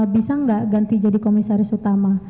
bisa nggak ganti jadi komisaris utama